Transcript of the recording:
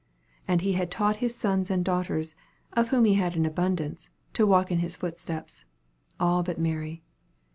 And he had taught his sons and daughters, of whom he had an abundance, to walk in his footsteps all but Mary.